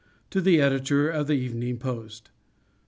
_To the Editor of the "Evening Post."